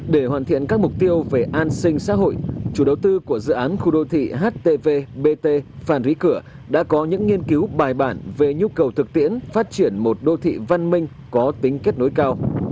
để hoàn thiện các mục tiêu về an sinh xã hội chủ đầu tư của dự án khu đô thị htv bt phàn rí cửa đã có những nghiên cứu bài bản về nhu cầu thực tiễn phát triển một đô thị văn minh có tính kết nối cao